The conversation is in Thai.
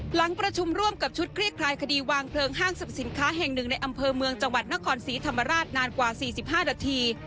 หลังประชุมร่วมกับชุดคลี่คลายคดีวางเพลิงห้างสรรพสินค้าแห่งหนึ่งในอำเภอเมืองจังหวัดนครศรีธรรมราชนานกว่า๔๕นาที